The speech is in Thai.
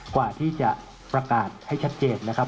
กว่าที่จะประกาศให้ชัดเจนนะครับ